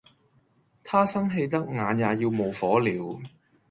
他生氣得眼也要冒火了